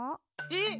えっ！？